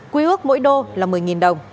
quy ước mỗi đô là một mươi đồng